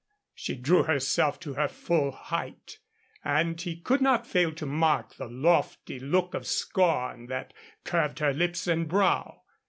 She drew herself to her full height, and he could not fail to mark the lofty look of scorn that curved her lips and brow.